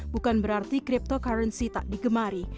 bukan berarti cryptocurrency tak digemari